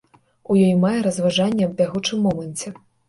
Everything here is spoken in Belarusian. У ёй мае разважанні аб бягучым моманце.